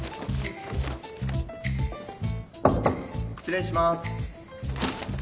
失礼します。